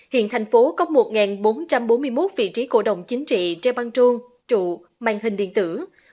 hiện thành phố có một bốn trăm bốn mươi một vị trí cổ đồng chính trị tre băng trôn trụ màn hình điện tử